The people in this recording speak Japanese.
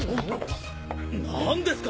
何ですか？